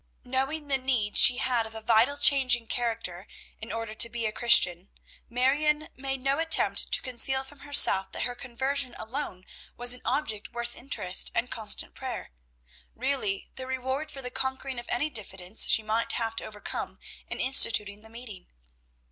Knowing the need she had of a vital change in character, in order to be a Christian, Marion made no attempt to conceal from herself that her conversion alone was an object worth earnest and constant prayer; really the reward for the conquering of any diffidence she might have to overcome in instituting the meeting.